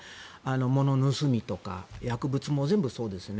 物を盗むとか薬物も全部そうですね。